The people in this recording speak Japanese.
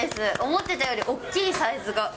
思ってたより大きい、サイズが。